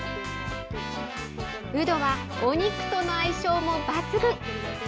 うどはお肉との相性も抜群。